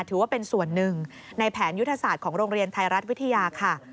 ถือว่าเป็นส่วนหนึ่งในแผนยุทธศาสตร์ของโรงเรียนไทยรัฐวิทยาค่ะ